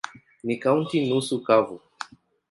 Ni kaunti nusu kavu.